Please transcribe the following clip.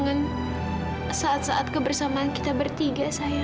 mama kangen saat saat kebersamaan kita bertiga sayang